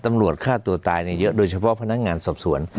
ตำรวจฆ่าตัวตายเยอะโดยเฉพาะพนักงานสอบสวน